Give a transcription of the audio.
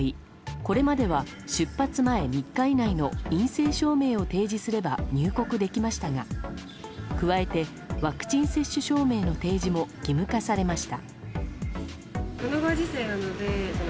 これまでは出発前３日以内の陰性証明を提示すれば入国できましたが加えて、ワクチン接種証明の提示も義務化されました。